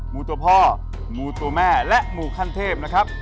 ูตัวพ่อมูตัวแม่และมูขั้นเทพนะครับ